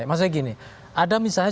maksudnya gini ada misalnya